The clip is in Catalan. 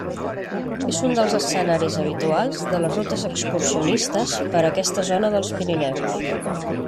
És un dels escenaris habituals de les rutes excursionistes per aquesta zona dels Pirineus.